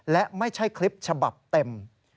และไม่ใช่คลิปฉบับเต็ม